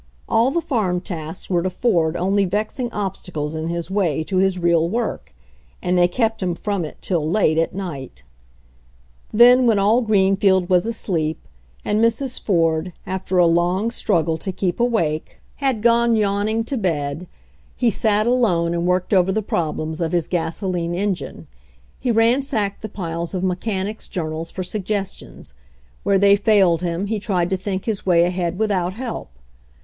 All the farm tasks were to Ford only vexing obstacles in his way to his real work, and they kept him from it till late at night Then, when all Greenfield was asleep, and Mrs. Ford, after a long struggle to keep awake, had "WHY NOT USE GASOLINE?" 61 gone yawning to bed, he sat alone and worked over the problem of his gasoline engine. He ran sacked the piles of mechanics' journals for sug gestions ; where they failed him he tried to think his way ahead without help.